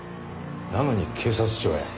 なのに警察庁へ？